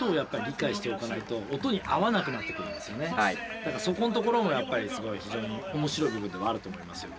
だからそこのところもやっぱり非常に面白い部分でもあると思いますよね。